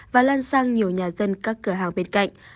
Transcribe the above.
và lan sang nhiều nhà dân các cửa hàng bên cạnh